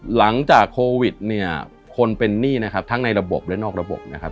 หลังจากโควิดเนี่ยคนเป็นหนี้นะครับทั้งในระบบและนอกระบบนะครับ